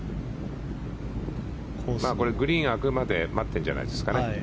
グリーンが空くまで待ってるんじゃないんですかね。